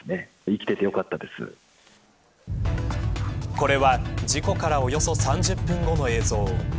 これは事故からおよそ３０分後の映像。